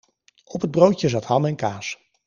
Op het broodje zat ham en kaas.